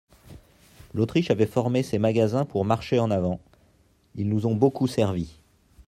L'Autriche avait formé ces magasins pour marcher en avant ; ils nous ont beaucoup servi.